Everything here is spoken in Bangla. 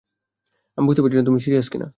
আমি বুঝতে পারছি না তুমি সিরিয়াস কিনা।